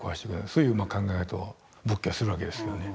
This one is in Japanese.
そういう考え方を仏教はするわけですけどね。